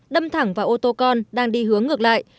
đâm thẳng vào ô tô con đang đi hướng ngược lại